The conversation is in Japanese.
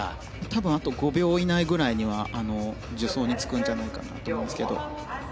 多分あと５秒以内ぐらいには助走につくんじゃないかと。